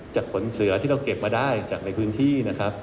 ขนเสือที่เราเก็บมาได้จากในพื้นที่นะครับ